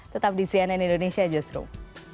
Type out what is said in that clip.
tetap di cnn indonesia justru